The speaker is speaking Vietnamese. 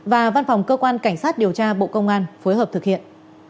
và văn phòng cơ quan cảnh sát điều tra bộ công an phối hợp thực hiện